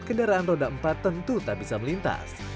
kendaraan roda empat tentu tak bisa melintas